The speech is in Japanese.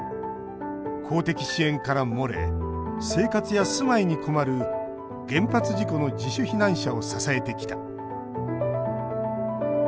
公的支援から漏れ生活や住まいに困る原発事故の自主避難者を支えてきた。